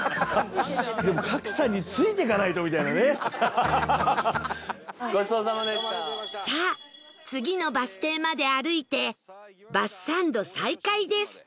「でも賀来さんについていかないとみたいなね」さあ次のバス停まで歩いてバスサンド再開です